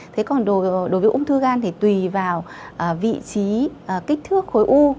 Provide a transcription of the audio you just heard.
thế còn đối với ung thư gan thì tùy vào vị trí kích thước khối u